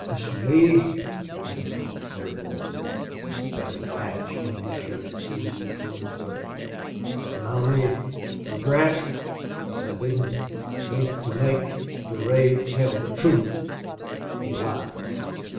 "Mr. Lee," he panted, very low, and the bloody patch on his shirt heaved with his breath, "my only regret is I didn't think to make Durade tell the truth.... He lied....